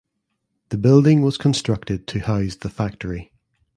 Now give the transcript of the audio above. The building was constructed to house the factory.